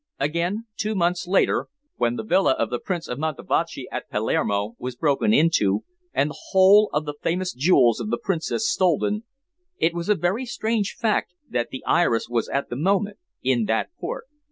"Again, two months later, when the villa of the Prince of Montevachi, at Palmero, was broken into and the whole of the famous jewels of the Princess stolen, it was a very strange fact that the Iris was at the moment in that port.